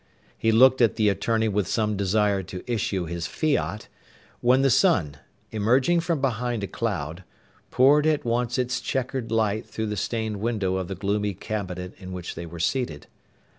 He looked at the attorney with some desire to issue his fiat, when the sun, emerging from behind a cloud, poured at once its chequered light through the stained window of the gloomy cabinet in which they were seated.